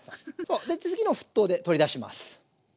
で次の沸騰で取り出します。